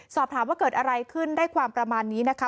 สอบถามว่าเกิดอะไรขึ้นได้ความประมาณนี้นะคะ